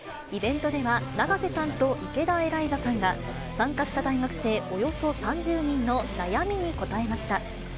イベントでは、永瀬さんと池田エライザさんが、参加した大学生およそ３０人の悩みに答えました。